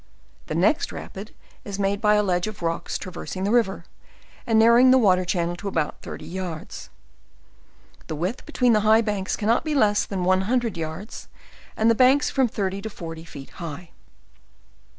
The next rapid is made by a ledge of rocks traversing the river, and narrowing the water channel to about thirty yards. The width between the high banks can not be less than one hundred yards, and the banks from thhv ty to forty feet high.